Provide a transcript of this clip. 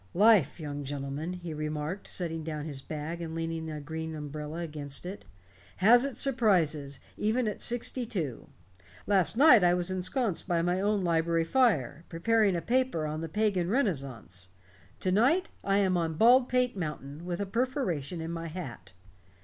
"Life, young gentlemen," he remarked, setting down his bag and leaning a green umbrella against it, "has its surprises even at sixty two. Last night I was ensconced by my own library fire, preparing a paper on the Pagan Renaissance. To night I am on Baldpate Mountain, with a perforation in my hat."